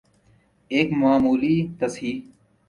ایک معمولی تصحیح